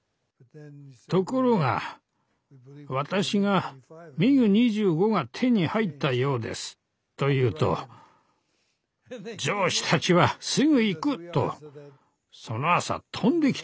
ところが私がミグ２５が手に入ったようですと言うと上司たちはすぐ行くとその朝飛んできたんです。